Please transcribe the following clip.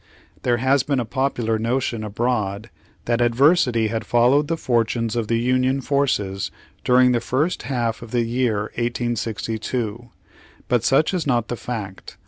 There has been a popular notion abroad that adversity had followed the fortunes of the Union forces during the first half of the year 1862. But such is not the fact.